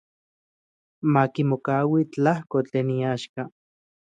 Makimokaui tlajko tlen iaxka.